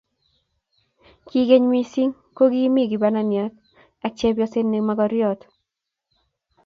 Ki keny mising, kokimii kibananiat ak chepyoset ne mokoriot